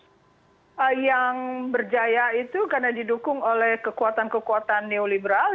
dan itu adalah pendukung konservatif yang berjaya itu karena didukung oleh kekuatan kekuatan neoliberal